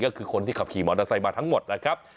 ก็คือคนที่ขับขี่มอเตอร์ไซค์มาทั้งหมดนะครับ